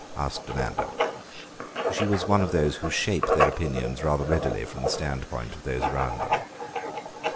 asked Amanda. She was one of those who shape their opinions rather readily from the standpoint of those around them.